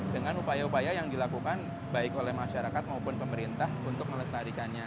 dengan upaya upaya yang dilakukan baik oleh masyarakat maupun pemerintah untuk melestarikannya